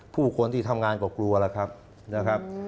ผู้คนที่ทำงานก็กลัวแล้วครับนะครับ